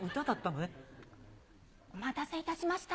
お待たせいたしました。